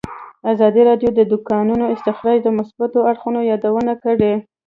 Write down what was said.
ازادي راډیو د د کانونو استخراج د مثبتو اړخونو یادونه کړې.